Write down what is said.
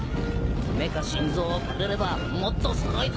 目か心臓をくれればもっとすごいぞ！